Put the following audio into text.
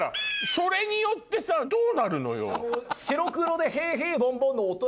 それによってさどうなるのよ？